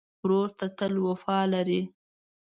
ورور ته تل وفا لرې.